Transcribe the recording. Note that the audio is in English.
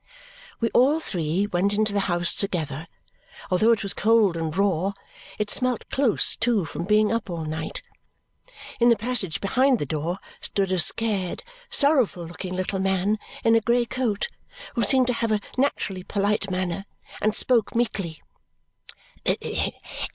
We all three went into the house together; although it was cold and raw, it smelt close too from being up all night. In the passage behind the door stood a scared, sorrowful looking little man in a grey coat who seemed to have a naturally polite manner and spoke meekly.